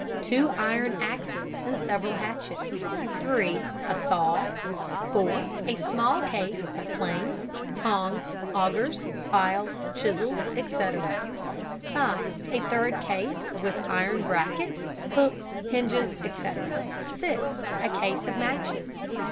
Two iron axes and several hatchets. 3. A saw. 4. A small case of planes, tongs, augers, files, chisels, etc. 5. A third case with iron brackets, hooks, hinges, etc. 6. A case of matches.